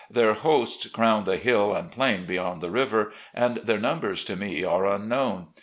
Their hosts crown the hill and plain beyond the river, and their num bers to me are unlmown.